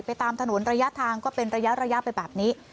ตามถนนระยะทางก็เป็นระยะไปแบบนี้